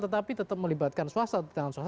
tetapi tetap melibatkan suasana